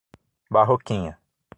Barroquinha